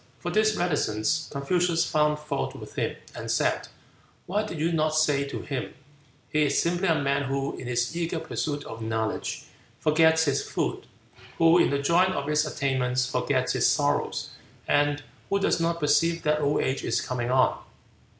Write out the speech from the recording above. For this reticence Confucius found fault with him, and said, "Why did you not say to him, 'He is simply a man who, in his eager pursuit of knowledge, forgets his food; who, in the joy of its attainments, forgets his sorrows; and who does not perceive that old age is coming on?'"